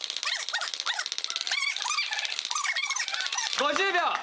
５０秒！